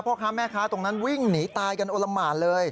พ่อค้าแม่ค้าตรงนั้นวิ่งหนีตายกันโอละหมานเลย